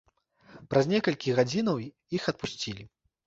Праз некалькі гадзінаў іх адпусцілі.